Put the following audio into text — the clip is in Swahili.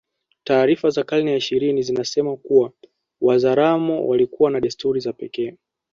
Taarifa za karne ya ishirini zinasema kuwa Wazaramo walikuwa na desturi za pekee